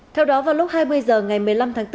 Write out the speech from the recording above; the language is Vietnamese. theo đó vào lúc hai mươi h ngày một mươi năm tháng bốn